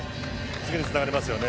次につながりますよね。